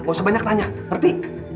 gak usah banyak nanya ngerti